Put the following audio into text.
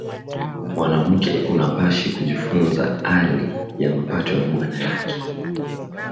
Mwanamuke unapashi kujifunza ali ya mapato ya bwana yake